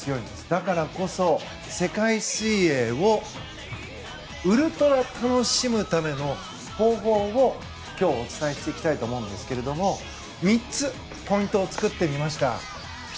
だからこそ世界水泳をウルトラ楽しむための方法を今日、お伝えしていきたいと思うんですが３つ、ポイントを作ってみました。